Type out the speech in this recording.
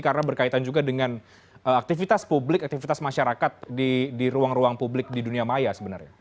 karena berkaitan juga dengan aktivitas publik aktivitas masyarakat di ruang ruang publik di dunia maya sebenarnya